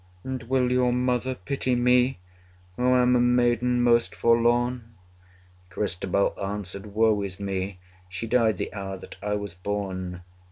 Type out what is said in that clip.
And will your mother pity me, Who am a maiden most forlorn? 195 Christabel answered Woe is me! She died the hour that I was born.